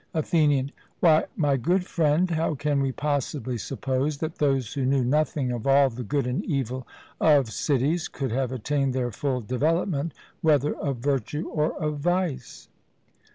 ATHENIAN: Why, my good friend, how can we possibly suppose that those who knew nothing of all the good and evil of cities could have attained their full development, whether of virtue or of vice?